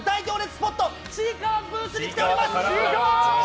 スポットちいかわブースに来ております！